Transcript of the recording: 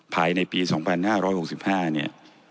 ภายในปี๒๕๖๕เนี่ย